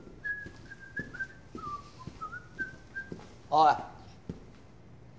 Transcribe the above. おい。